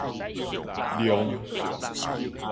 冗